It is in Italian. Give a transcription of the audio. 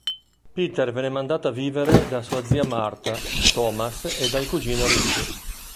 Peter venne mandato a vivere da sua zia Martha Thomas e dal cugino Ricky.